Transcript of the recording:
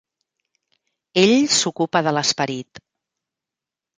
Ell s'ocupa de l'esperit.